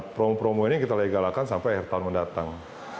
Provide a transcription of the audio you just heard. promo promo ini kita legalakan sampai akhir tahun mendatang